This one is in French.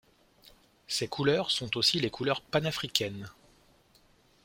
Ces couleurs sont aussi les couleurs panafricaines.